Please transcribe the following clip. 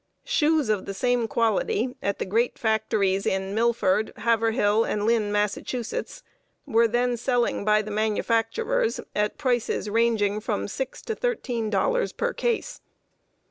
Shoes of the same quality, at the great factories in Milford, Haverhill, and Lynn, Massachusetts, were then selling by the manufacturers at prices ranging from six to thirteen dollars per case.